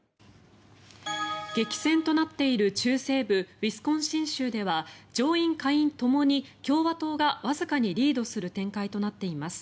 激戦となっている中西部ウィスコンシン州では上院・下院ともに共和党がわずかにリードする展開となっています。